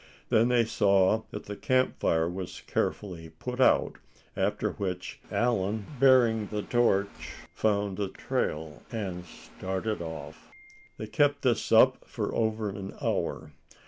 Then they saw that the camp fire was carefully put out, after which Allan, bearing the torch, found the trail, and started off. They kept this up for over an hour.